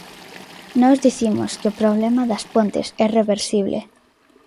Nós dicimos que o problema das Pontes é reversible.